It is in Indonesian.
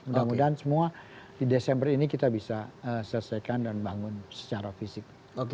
mudah mudahan semua di desember ini kita bisa selesaikan dan bangun secara fisik